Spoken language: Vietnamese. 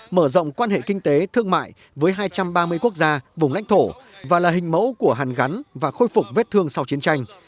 mở rộng quan hệ kinh tế thương mại với hai trăm ba mươi quốc gia vùng lãnh thổ và là hình mẫu của hàn gắn và khôi phục vết thương sau chiến tranh